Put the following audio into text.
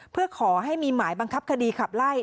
เพื่อขอให้มีหมายบังคับคดีขับไล่